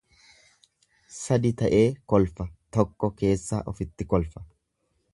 Sadi ta'ee kolfa tokko keessaa ofitti kolfa.